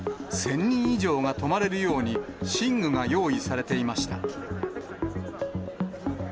１０００人以上が泊まれるように、寝具が用意されていました。